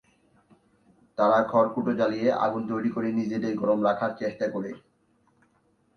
তারা খড়কুটো জ্বালিয়ে আগুন তৈরি করে নিজেদের গরম রাখার চেষ্টা করে।